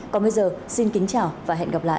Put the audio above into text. còn bây giờ xin kính chào và hẹn gặp lại